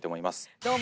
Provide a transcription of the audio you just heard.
どうも。